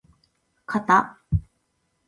かた